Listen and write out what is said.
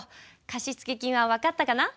貸付金は分かったかな？